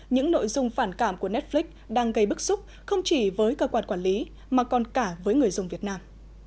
những nội dung phản cảm của netflix đang gây bức xúc không chỉ với cơ quan quản lý mà còn cả với người dùng việt nam